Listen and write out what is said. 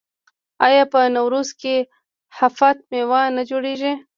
آیا په نوروز کې هفت میوه نه جوړیږي؟